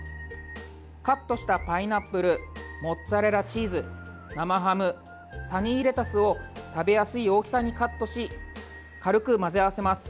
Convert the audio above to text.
カットしたパイナップルモッツァレラチーズ、生ハムサニーレタスを食べやすい大きさにカットし軽く混ぜ合わせます。